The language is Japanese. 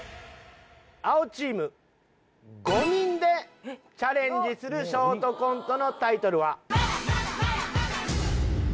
青チーム５人でチャレンジするショートコントのタイトルは。